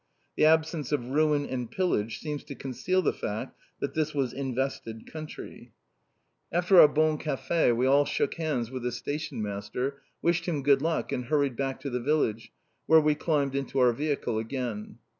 The absence of ruin and pillage seems to conceal the fact that this was invested country. After our bon café we all shook hands with the stationmaster, wished him good luck, and hurried back to the village, where we climbed into our vehicle again.